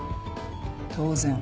当然。